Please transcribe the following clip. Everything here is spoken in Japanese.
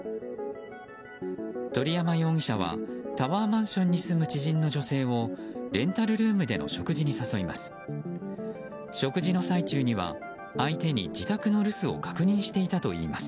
鳥山容疑者はタワーマンションに住む知人の女性をレンタルルームでの食事に誘います。